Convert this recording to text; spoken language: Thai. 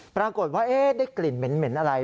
ปรากฏว่าเอ๊ะได้กลิ่นเหม็นเหม็นอะไร